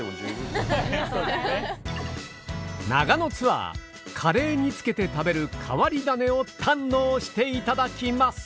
長野ツアーカレーにつけて食べる変わり種を堪能していただきます。